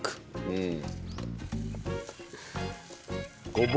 うん。